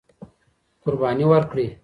قرباني ورکړئ.